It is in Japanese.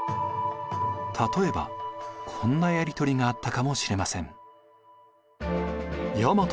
例えばこんなやり取りがあったかもしれません。